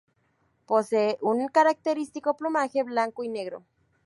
Posee un característico plumaje blanco y negro.